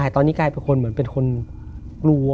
ตอนนี้กลายเป็นคนเหมือนเป็นคนกลัว